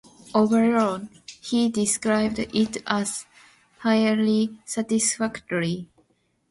Overall he described it as 'highly satisfactory'.